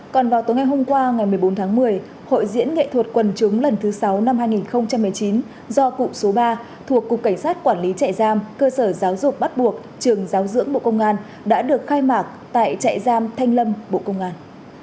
còn vào tối ngày hôm qua ngày một mươi bốn tháng một mươi hội diễn nghệ thuật quần chúng lần thứ sáu năm hai nghìn một mươi chín do cụ số ba thuộc cục cảnh sát quản lý trại giam cơ sở giáo dục bắt buộc trường giáo dưỡng bộ công an đã được khai mạc tại trại giam thanh lâm bộ công an